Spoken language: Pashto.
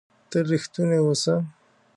تل ریښتونی اووسه!